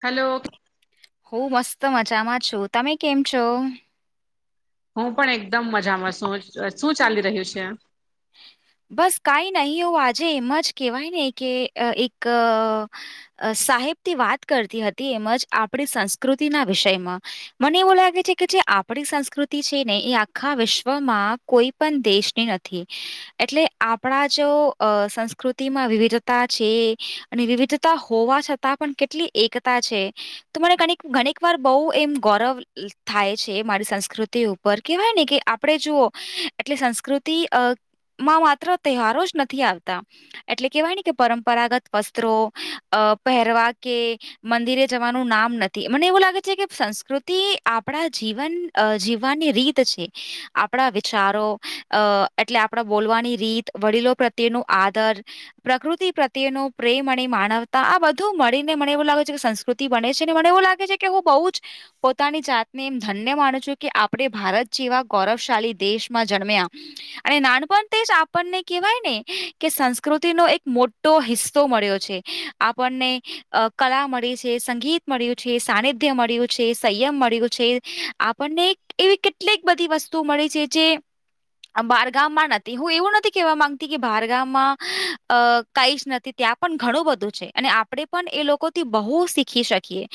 હાલો. હું મસ્ત મજામાં છું તમે કેમ છો? હું પણ એકદમ મજામાં શું શું ચાલી રહ્યું છે. બસ કઈ નહી એવું આજે એમ જ કેહેવાય ને કે એક. અ સાહેબથી વાત કરતી હતી એમજ આપણી સંસ્કૃતિના વિષયમાં. મને એવું લાગે છે કે જે આપણી સંસ્કૃતિ છે ને એ આખા વિશ્વમાં કોઈ પણ દેશની નથી. થી. એટલે આપણા જો અ સંસ્કૃતિમાં વિવિધતા છે અને વિવિધતા હોવા છતાં પણ કેટલી એકતા છે તો મને ઘણીક વાર બહ એમ ગૌરવ થાય છે મારી સંસ્કૃતિ ઉપર કેવાય ને કે આપડે જુઓ એટલે સંસ્કૃતિ માં માત્ર તહેવારો જ નથી આવતા એટલે કેહેવાય ને કે પરંપરાગત વસ્ત્રો અ પહેરવા કે મંદિરે જવાનું નામ નથી મને એવું લાગે છે કે સંસ્કૃતિ આપણા જીવન અ જીવવાની રીત છે આપણા વિચારો, અ એટલે આપણા બોલવાની રીત વડીલો પ્રત્યે નુ આદર. પ્રકૃતિ પ્રત્યેનો પ્રેમ અને માનવતા આ બધું મળીને મને એવું લાગે છે કે સંસ્ કૃતિ બને છે ને મને એવું લાગે છે કે હું બહુ જ પોતાની જાતને એમ ધન્ય માનું છું કે આપણે ભારત જેવા ગૌરવશાળી દેશમાં જનમ્યા. [inaudible] અને નાનપણથી જ આપણને કેહેવાય ને કે સંસ્કૃતિ નો એક મોટો હિસ્સો મળ્યો છે. આપણને કલા મળી છે સંગીત મળ્યું છે સાનિધ્ય મળ્યું છે સંયમ મળ્યું છે. આપણને એવી કેટલીક બધી વસ્તુ મળી છે જે બારગામમાં નથી હું એવું નથી કેહેવા માંગતી કે બારગામમાં અ કઈ જ નથી ત્યાં પણ ઘણું બધું છે અને આપડણે પણ એ લોકોથી બહુ શીખી શકીએ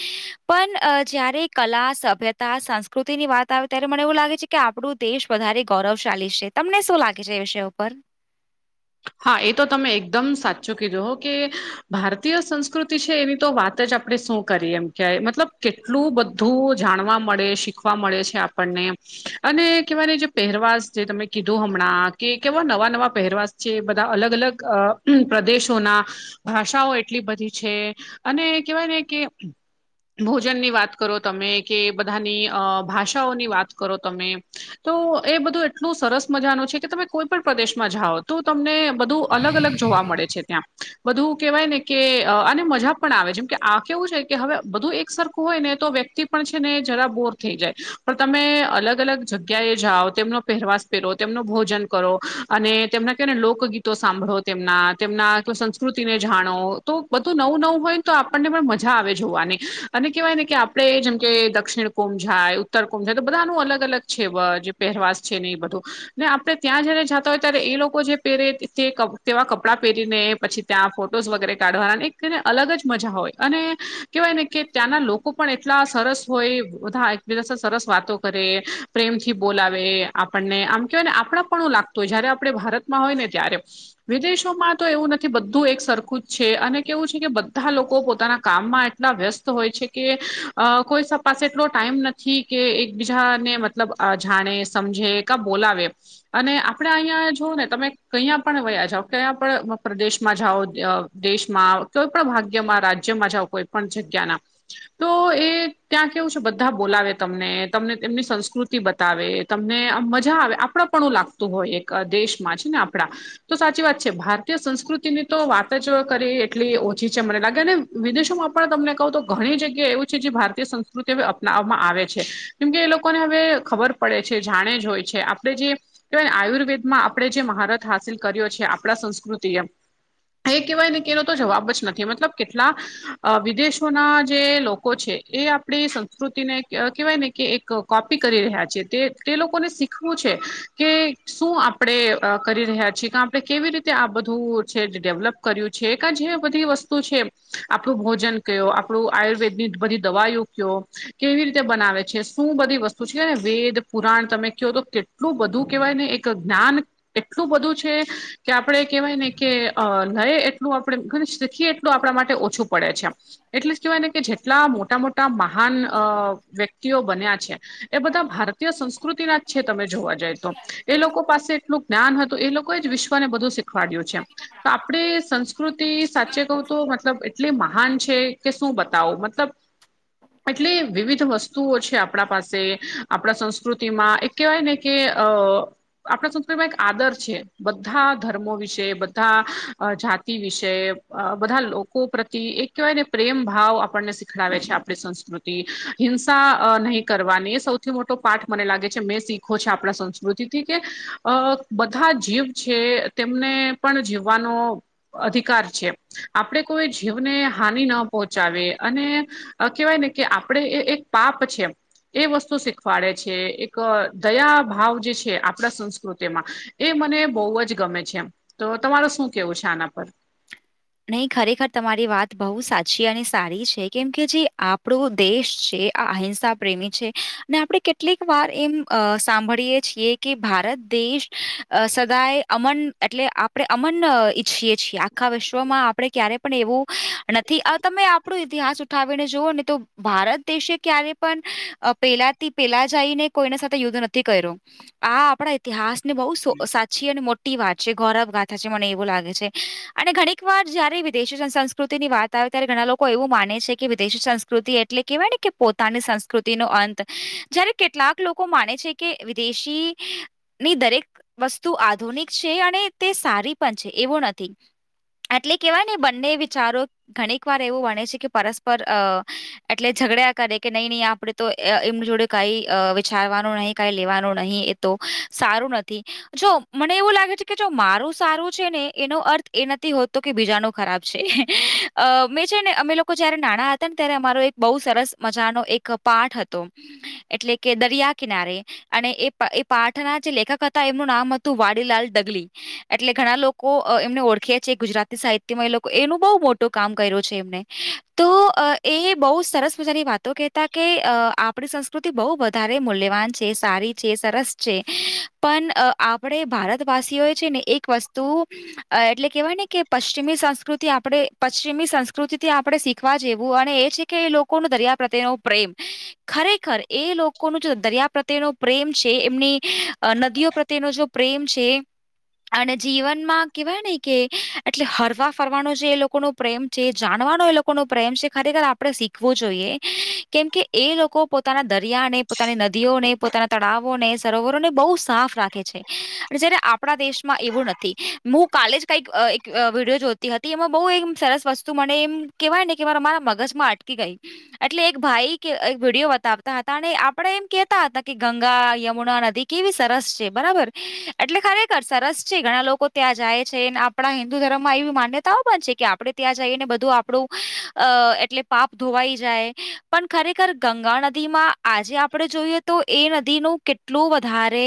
પણ જયારે કલા સભ્યતા સંસ્કૃતિ ની વાત આવે ત્યારે મને એવું લાગે છે. કે આપણું દેશ વધારે ગૌરવશાલીી છે તમને શું લાગે છે, એ વિષય ઉપર હા એ તો તમે એકદમ સાચું કીધો કે ભારતીય સંસ્કૃતિ છે, એની તો વાત જ આપણે શું કરી એમ કય મતલબ કેટલું બધું જાણવા મળે શીખવા મળે છે, આપણને અને કેવાય જે પહેરવાસ જે તમે કીધો હમણાં કે કેવા નવા નવા પહેરવાસ જે બધા અલગ અલગ અ પ્રદેશોના ભાષાઓ એટલી બધી છે, અને કેવાય ને કે ભોજનની વાત કરો તમે કે બધાની અ ભાષાઓની વાત કરો, તમે તો એ બધું એટલું સરસ મજાનું છે, કે તમે કોઈ પણ પ્રદેશમાં જાઓ તો તમને બધું અલગ અલગ જોવા મળે છે, ત્યાં બધું કેહેવાય ને કે આ અને મજા પણ આવે જેમ કે આ કેવું છે, કે હવે બધું એક સરખું હોય ને તો વ્યક્તિ છે ને જરા બોર થઈ જાય પણ તમે અલગ અલગ જગ્યા, એ જાઓ તેમનો પહેરવા પ તેમનું ભોજન કરો અને તેમને કેને લોકગીતો સાંભળો તેમના તેમના સંસ્કૃતિને જાણો તો બધું નવું-નવું હોય ને તો આપણને પણ મજા આવે જોવાની અને કહેવાય ને કે આપણેે જેમ કે દક્ષિણ કોમ જાય તરકમ છે તો બધાનું અલગ અલગ છે જે પહેરવાસ છેને, એ બધો ને આપડણે ત્યાં જયારે જાતા હોય, ત્યારે એ લોકો લોકો જે પહેરે તે તેવા કપડાં પહેરીને પછી ત્યાં ફોટોસ વગેરે કાઢવાના તેને અલગ જ મજા હોય અને કહેવાય ને કે ત્યાંના લોકો પણ એટલા સરસ હોય, બધા બ સરસ વાતો કરે પ્રેમથી બોલાવે આપણને આમ કેવાયને આપણા પણું લાગત. તો જયારે આપણે ભારતમાં હોય ને ત્યારે વિદેશોમાં તો એવું નથી બધું એક સરખું જ છે અને કેવું છે, કે બધા લોકો પોતાના કામમા વ્યસ્ત હોય છે, કે કોઈ પાસે એટલો ટાઈમ નથી કે એકબીજાને મતલબ જાણે સમજે કા બોલાવે અને આપણે અહીંયા જોવ ને તમે કયા પણ વયા જાઓ કયા પણ પ્રદેશમાં જાઓ દેશમાં કોઈ પણ ભાગ્યમાં રાજ્યમાં જાઓ કોઈ પણ જગ્યાના તો એ ત્યાં કેવું છે, બધા બોલાવે તમને તમને એમની સંસ્કૃતિ બ આવે તમને આ મજા આવે આપણા પણું લાગતું હોય એક દેશમાં છેને, આપડા તો સાચી વાત છે ભારતીય સંસ્કૃતિ ની તો વાત જ કરી એટલી ઓછી છે, મને લાગે ને વિદેશોમાં પણ તમને કહું તો ઘણી જગ્યા એવું છે જે ભારતીય સંસ્કૃતિ અપનાવવામાં આવે છે. કેમકે એ લોકોને હવે ખબર પડે છે જાણે જ હોય છે આપડણે જે કહેવાય આયુર્વેદમાં આપણે જે મહારત હાસિલ કર્યો છે, આપણા સંસ્કૃતિએમ એ કહેવાય ને કેનો તો જવાબ જ નથી મતલબ કેટલા વિદેશોના જે લોકો છે. એ આપડી સંસ્કૃતિને કેવાય ને કે એક કોપી કરી રહ્યા છે તે તે લોકોને શીખવું છે કે શું આપણે કરી રહ્યા છીએ કે આપણે કેવી રીતે આ બધું છે ડેવલપ કર્યું છે કે જે બધી વસ્તુ શું છે આપણું ભોજન કયો આપણું આયુર્વેદની બધી દવાઈઓ કયો. કેવી રીતે બનાવે છે શું બધી વસ્તુ છેને વેદ પુરાણ તમે કહો તો કેટલું બધું કેહેવાય ને એક જ્ઞાન કેટલું બધું છે. કે આપડણે કેહેવાય ને કે અ લઈ એટલું આપણે ઘ શીખીએ એટલું આપણા માટે ઓછું પડે છેમ એટલે જ કેહેવાય ને કે જેટલા મોટા મોટા મહાન વ્યક્તિ બન્યા છે એ બધા ભારતીય સંસ્કૃતિના જ છે, તમે જોવા જાય તો એ લોકો પાસે એટલું જ્ઞાન હતું એ લોકો જ વિશ્વને બધું શીખવાડ્યું છે. આપણે સંસ્કૃતિ સાચે કહું તો મતલબ એટલી મહાન છે, કે શું બતાવો મતલબ એટલે વિવિધ વસ્તુઓ છે, આપણા પાસે આપણા સંસ્કૃતિમાં એક કહેવાય ને કે અ આપણા સંસ્કૃતિમાં એક આદર છે. બધા ધર્મો વિશે બધા જાતિ વિશે બધા લોકો પ્રતિ એક વાય ને પ્રેમ ભાવ આપણને શીખડાવે છે આપણી સંસ્કૃતિ હિંસા નહીં કરવાની સૌ સૌથી મોટો પાઠ મને લાગે છે મેં શીખો છે આપણા સંસ્કૃતિથી કે અ બધા જીવ છે તેમને પણ જીવવાનો અધિકાર છે આપણે કોઈ જીવને હાનિ ન પહોંચાવે અને કેહેવાય ને કે આપડે એ એક પાપ છે. એ વસ્તુ શીખવાડે છે એક દયા ભાવ જે છે આપણા સંસ્કૃતિમાં એ મને બહુ જ ગમે છે એમ તો તમાર શું કેવું છે આના પર? નહીં ખરેખર તમારી વાત બહુ સાચી અને સારી છે કેમ કે જે આપણો દેશ છે. અહિંસા પ્રેમી છે અને આપણે કેટલીક વાર એમ સાંભળીએ છીએ કે ભારત દેશ સદાય અમન એટલે આપણે અમન ઈચ્છીએ છીએ આખા વિશ્ શ્વમાં આપણે ક્યારેય પણ એવું નથી તમે આપણો ઇતિહાસ ઉઠાવીને જુઓ ને તો ભારત ક્યારે પણ પેલાથી પેલા જઈને કોઈને સાથે યુદ્ધ નથી કર્યો. આ આપડા ઇતિહાસ ને બહુ સાચી અને મોટી વાત છે ગૌરવ ગાથા છે મને એવું લાગે છે અને ઘણી એક વાર જયારે વિદેશી સંસ્કૃતિની વાત આવે ત્યારે ઘણા લોકો એવું માને છે કે વિદેશી સંસ્કૃતિ એટલે કહેવાય કે પોતે ની સંસ્કૃતિ ન અંત જયારે કેટલાક લોકો માને છે કે વિદેશી ની દરેક વસ્તુ આધુનિક છે અને તે સારી પણ છે એવો નથી. એટલે કેહેવાય ને બંને વિચારો ઘણીક વાર એવું વણે છે કે પરસ્પર અ એટલે ઝઘડ્યા કરે કે નહી નહીં આપડણે તો એમ જોડે કઈ વિચારવાનું નહી કાઈ લેવાનું નહી. સારું નથી જો મને એવું લાગે છે કે જો મારું સારું છે ને એનો અર્થ એ નથી હોત તો કે બીજાનું ખરાબ છે અ મેં છે ને અમે લોકો જયારે નાણાં હતા ને ત્યારે અમારો એક બહુ સરસ મજાનો એક પાઠ હતો એટલે કે દરિયા કિનારે. અને એ એ પાઠના જે લેખક હતા એમનું નામ હતું વાડીલાલ ડગલી. એટલે ઘણા લોકો એમને ઓળખ ગુજરાતી સાહિત્યમાં એ લોકો એનું બહુ મોટો કામ કર્યો છે એમને તો એ બહુ સરસ મજાની વાતો કહેતા કે આપણી સંસ્કૃતિ બહુ વધારે મૂલ્યવાન છે સારી સરસ છે પણ આપણે ભારતવાસીઓ છે ને એક વસ્તુ અ એટલે કહેવાય ને કે પશ્ચિમી સંસ્કૃતિ આપણે પશ્ચિમી સંસ્કૃતિથી આપણે શીખવા જેવું અને એ છે કે એ લોકો લોકો નો દરિયા પ્રત્યેનો પ્રેમ ખરેખર એ લોકોનું દરિયા પ્રત્યેનો પ્રેમ છે એમની નદીઓ પ્રત્યે તેનો જો પ્રેમ છે અને જીવનમાં કેવાય ને કે એટલે હરવા ફરવાનો જે એ લોકો ન પ્રેમ છે જાણવાનો એ લોકો ન પ્રેમ છે ખરેખર આપ શીખવું જોઈએ કેમકે એ લોકો પોતાના દરિયાને પોતાની નદીઓને પોતાના તળાવો ને સરોવરો ને બહુ સાફ રાખે છે. જય્યારે આપણા દેશમાં એવું નથી હું કાલે જ કઈક એક વિડીયો જોતી હતી એમાં બહુ એ સરસ વસ્તુ મને એમ કેહેવાય ને કે મારા મારા મગજમાં અટકી ગઈ. એટલે એક ભાઈ એક વિડીયો બતાવતા હતા અને આપણે એમ કેહેતા હતા કે ગંગા યમુના નદી કેવી સરસ છે બરાબર એટલે ખરેખર સરસ છે ઘણા લોકો ત્યાં જાય છે આપણા હિન્દુ ધર્મમાં એવી માન્યતાઓ પણ છે કે આપડે ત્યાં જઈને બધું આપણું અ એટલે પાપ ધોવાઈ જાય પણ ખરેખર ગંગા નદી માં આજે આપણે જોઈએ તો એ નદીનું કેટલું વધારે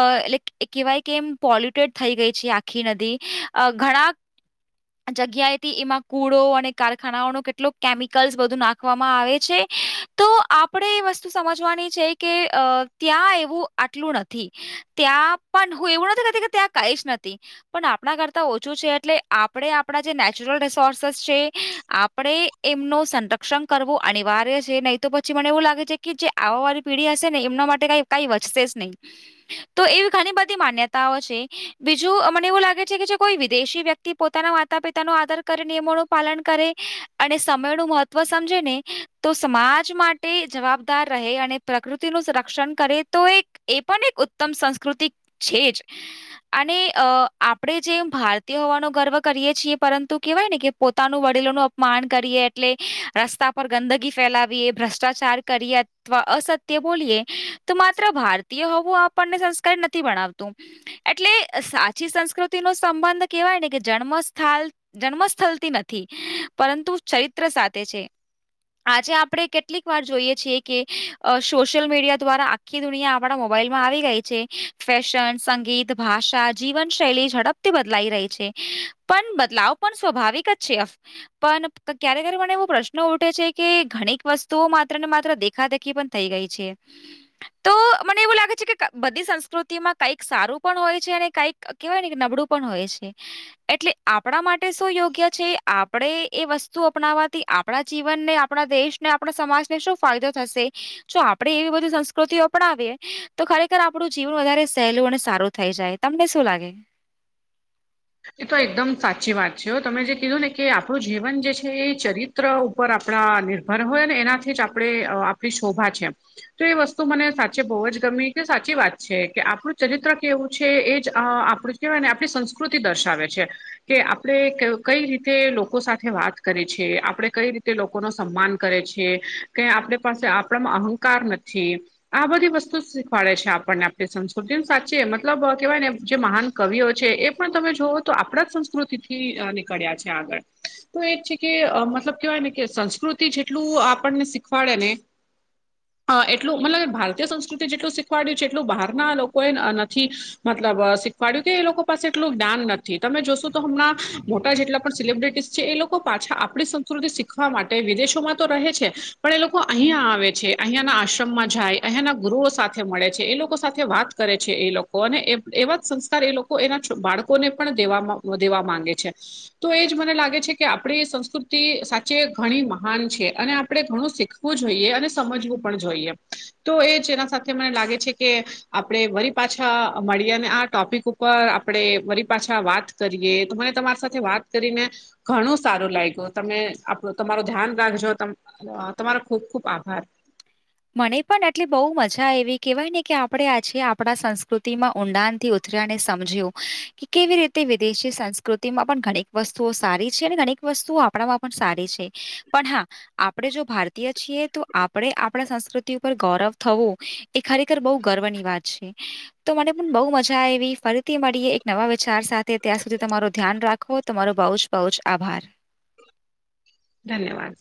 અ એટ કહેવાય કે એમ પોલ્યુટેડ થઈ ગઈ છે આખી નદી ઘણા જગ્યાએથી એમાં કુળો અને કારખાનાઓ ન કેટલો કેમિકલ્સ બધું નાખવામાં આવે છે. તો આપણે એ વસ્તુ સમજવાની છે કે અ ત્યાં એવું આટલું નથી. ત્યાં પણ હું એવું નથી કરતી કે ત્યાં કઈજ નથી. પણ આપણા કરતા ઓછું છે એટલે આપણે આપણા જે નેચરલ રિસોર્સસ છે. આપણે એમનું સંરક્ષણ કરવું અનિવાર્ય છે નહી તો પછી મને એવું લાગે છે કે જે-' આવવા વાળી પીઢી હશે ને એમના માટે કઈ કઈ વધશે જ નહી. તો એવી ઘણી બધી માન્યતાઓ છે બીજું એવું લાગે છે કે જે કોઈ વિદેશી વ્યક્તિ પોતાના માતા પિતા ન આદર કરે નિયમોનું પાલન કરે અને સમય નું મહત્વ સમજે ને તો સમાજ માટે જવાબદાર રહે અને પ્રકૃતિનું સંરક્ષણ કરે તો એક એ પણ એક ઉત્તમ સંસ્કૃતિ છે જવ અને આ આપણે જેમ ભારતીય હોવાનો ગર્વ કરીએ છીએ પરંતુ કેહેવાય ને કે પોતાનું વડીલોનું માન કરીએ એટલે રસ્તા પર ગંદગી ફેલાવીએ ભ્રષ્ટાચાર કરીએ અ અસત્ય બોલીએ તો માત્ર ભારતીય હોવું આપણને સંસ્કાર નથી ભણાવતું. એટલે સાચી સંસ્કૃતિ નો સંબંધ કેવાય ને કે જન્મ સ્થાળ જન્મ સ્થળથી નથી પરંતુ ચરિત્ર સાથે છે. આજે આપણે કેટલીક વાર જોઈએ છીએ કે સોશિયલ મીડિયા દ્વારા આખી દુનિયા આપડા મોબાઈલ માં આવી ગઈ છે ફેશન સંગીત ભાષા જીવનશૈલી ઝડપથી બદલાઈ રહી છે પણ બદલાવ પણ સ્વાભાવિક જ છે. પણ ક્યારેક મને એવો પ્રશ્ન ઉઠે છે કે ઘણીક વસ્તુઓ માત્ર ને માત્ર દેખા દેખ કી પણ થઈ ગઈ છે તો મને એવું લાગે છે કે બધી સંસ્કૃતિમાં કઈક સારું પણ હોય છે અને કઈક કવાય ને કે નબળું પણ હોય છે. એટલે આપણા માટે શું યોગ્ય છે આપણેે એ વસ્તુ અપનાવાથી આપણે આપણા જીવનને આપણા દેશને આપણા સમાજને શું ફાયદો થશે? જો આપડે એવી બધી સંસ્કૃતિઓ પણાવએ તો ખરેખર આપણું જીવન વધારે સહેલું અને સારું થઈ જાય તમને શું લાગે? એ તો એકદમ સાચી વાત છે તમે જે કીધું ને કે આપણું જીવન જે છે એ ચરિત્ર [inaudible] ઉપર આપણા નિર્ભર હોય ને એનાથી જ આપણે આપણી શોભા છે. તો એ વસ્તુ મને સાચે બહુ જ ગમી કે સાચી વાત છે કે આપણું ચરિત્ર કેવું છે એ જ આપણું કવાય ને આપણી સંસ્કૃતિ દર્શાવે છે. કે આપણે કઈ રીતે લોકો સાથે વાત કરીે છે આપણે કઈ રીતે લોકો લોકો ન સન્માન કરે છે કે આપણે પાસે આપણામાં અહંકાર નથી આ બધી વસ્તુ શીખવાડે છે આપણને આપણી સંસ્કૃતિ સાચી મતલબ કેહેવાય ને જે મહાન કવિઓ છે એ પણ તમે જોવઓ તો આપણા સંસ્કૃતિ થી નીકળ્યા છે આગળ તો એ જ છે કે મતલબ કેહેવાય ને કે સંસ્કૃતિ જેટલું આપણને શીખવાડે ને [inaudible] એટલું મતલબ ભારતીય સંસ્કૃતિ જેટલું શીખવાડ્યું છે એટલું બહારના લોકોએ નથી મતલબ ફડ્યું કે એ લોકો પાસે એટલું જાન નથી તમે જોશો તો હમણાં મોટા જેટલા પણ સેલબ્રિટીસ છે એ લોકો પાછા આપણી સંસ્કૃતિ શીખવા માટે વિદેશોમાં તો રહે છે પણ એ લોકો અહિયાં આવે છે અહિયાં ના આશ્રમમાં જાય. એના ગુરુઓ સાથે મળે છે એ લોકો સાથે વાત કરે છે એ લોકો અને એવા જ સંસ્કાર એ લોકો એના બાળકોને પણ દે દેવા માંગે છે. તો એજ મને લાગે છે કે આપણી સંસ્કૃતિ સાચે ઘણી મહાન છે અને આપણે ઘણું શીખવા હું, જોઈએ અને સમજવું પણ જોઈએ, તો એ જેના સાથે મને લાગે છે, કે આપણે વરી પાછા મળીએ અને, આ ટોપિક ઉપર આપણેે મારી પાછા વાત કરીએ તો, મને તમારી સાથે વાત કરીને ઘણું સારું લાગ્યું તમે, આપું તમારું ધ્યાન રાખજો તમારો ખુબ ખુબ આભાર! મને પણ એટલી બહુ મજા એવી કહેવાય ને કે આપણે આજે આપણા સંસ્કૃતિ માં ઊંડાણ થી સમજ કે કેવી રીતે વિદેશી સંસ્કૃતિમાં પણ ઘણીક વસ્તુઓ સારી છે અને વસ્તુ આપણામાં પણ સારી છે પણ હા આપણે જો ભારતીય છીએ તો આપણે આપણા સંસ્કૃતિ ઉપર ગૌરવ થવું એ ખરેખર બહુ ગર્વની વાત છે. તો મને પણ બહુ મજા આવી ફરીથી મળીએ એક નવા વિચાર સાથે ત્યાં સુધી તમાર ધ્યાન રાખવો તમારો બઉ જ પહચ [inaudible] આભાર ધન્યવાદ.